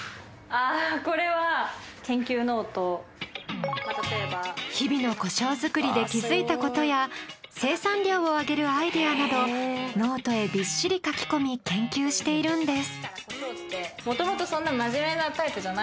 ああ日々のコショウ作りで気付いた事や生産量を上げるアイデアなどノートへびっしり書き込み研究しているんです。